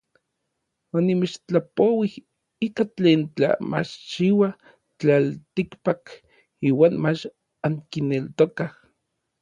Onimechtlapouij ika tlen tla machchiua tlaltikpak iuan mach ankineltokaj.